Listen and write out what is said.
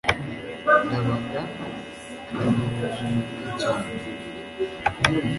ndabaga ategereje mariya cyane